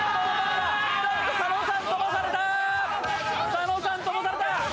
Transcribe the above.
佐野さん、飛ばされた。